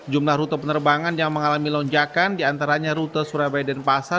jumlah rute penerbangan yang mengalami lonjakan di antaranya rute surabaya denpasar